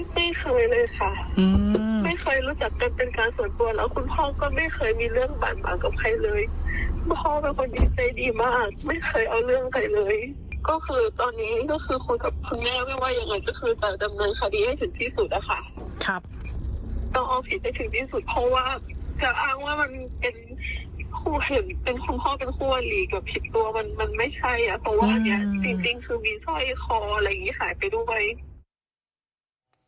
ไม่เคยเลยค่ะไม่เคยรู้จักกันเป็นการส่วนตัวแล้วคุณพ่อก็ไม่เคยมีเรื่องบาดหมางกับใครเลยพ่อเป็นคนดีใจดีมากไม่เคยเอาเรื่องใดเลยก็คือตอนนี้ก็คือคุณกับคุณแม่ไม่ว่ายังไงก็คือจะดำเนินคาดีให้ถึงที่สุดค่ะต้องเอาผิดให้ถึงที่สุดเพราะว่าจะอ้างว่ามันเป็นคุณพ่อเป็นคู่วรีกับผิดตัวมันไม่ใช่